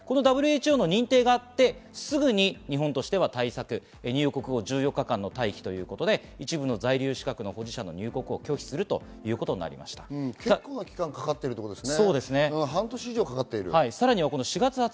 認定があってすぐに日本としては対策、入国後１４日間の待機ということで一部の在留資格の保持者の入国を拒否するということになり期間がかかってますね。